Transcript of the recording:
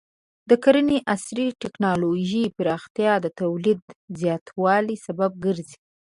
د کرنې د عصري ټکنالوژۍ پراختیا د تولید زیاتوالي سبب ګرځي.